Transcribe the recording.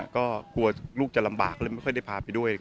ก็กลัวลูกจะลำบาก